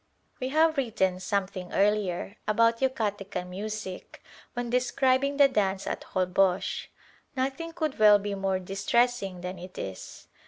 We have written something earlier about Yucatecan music when describing the dance at Holboch. Nothing could well be more distressing than it is.